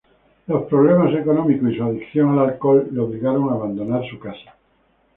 Los problemas económicos y su adicción al alcohol le obligaron a abandonar su casa.